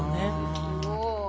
すごい。